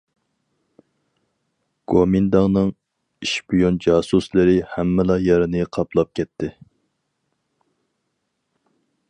گومىنداڭنىڭ ئىشپىيون جاسۇسلىرى ھەممىلا يەرنى قاپلاپ كەتتى.